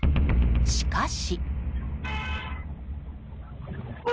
しかし。